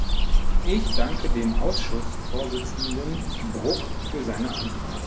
Ich danke dem Ausschussvorsitzenden Brok für seine Anfrage.